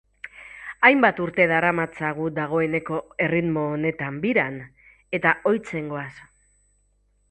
Hainbat urte daramatzagu dagoeneko erritmo honetan biran, eta ohitzen goaz.